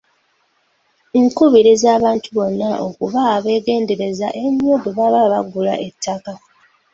Nkubiriza abantu bonna okuba abeegendereza ennyo bwe baba bagula ettaka.